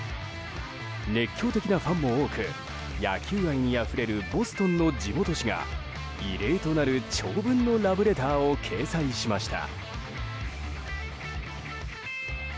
熱狂的なファンも多く野球愛にあふれるボストンの地元紙が異例となる長文のラブレターを掲載しました。